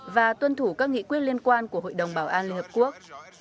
và tuân thủ các nghị quyết liên quan của hội đồng bảo an liên hợp quốc